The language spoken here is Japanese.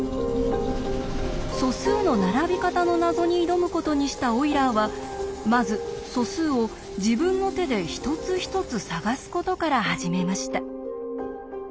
素数の並び方の謎に挑むことにしたオイラーはまず素数を自分の手で一つ一つ探すことから始めました。